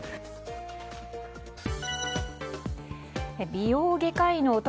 美容外科医の男